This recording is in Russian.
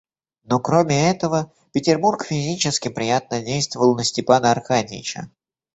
Но, кроме этого, Петербург физически приятно действовал на Степана Аркадьича.